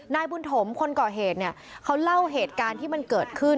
นายบุญถมคนก่อเหตุเนี่ยเขาเล่าเหตุการณ์ที่มันเกิดขึ้น